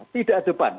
tidak ada beban